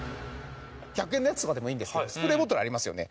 １００円のやつとかでもいいんですけどスプレーボトルありますよね。